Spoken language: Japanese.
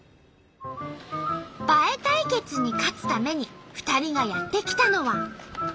映え対決に勝つために２人がやって来たのは。